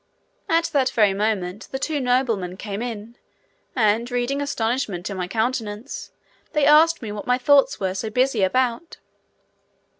At that very moment the two noblemen came in, and reading astonishment on my countenance, they asked me what my thoughts were so busy about.